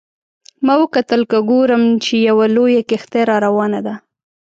ما وکتل که ګورم چې یوه لویه کښتۍ را روانه ده.